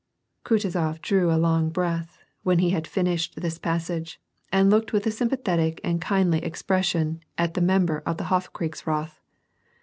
* Kutuzof drew a long breath, when he had finished this passage, and looked with a sympathetic and kindly expression at the member of the Hofkriegsrath.